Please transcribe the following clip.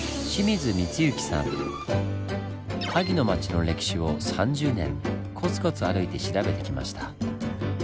萩の町の歴史を３０年こつこつ歩いて調べてきました。